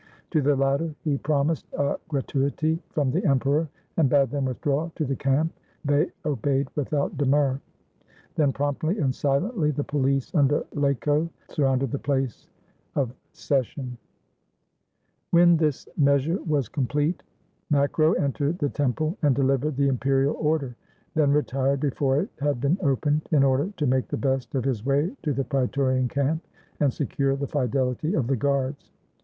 To the latter he promised a gra tuity from the emperor, and bade them withdraw to the camp. They obeyed without demur. Then promptly and silently the police under Laco surrounded the place of session. 426 THE FALL OF SEJANUS When this measure was complete, Macro entered the temple and delivered the imperial order, then retired before it had been opened, in order to make the best of his way to the Praetorian camp and secure the fidehty of the guards.